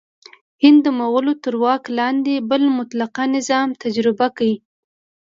هند د مغولو تر واک لاندې بل مطلقه نظام تجربه کړ.